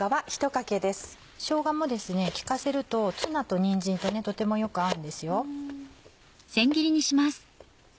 しょうがも利かせるとツナとにんじんととてもよく合うんですよ。